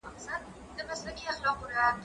زه پرون د زده کړو تمرين وکړ!.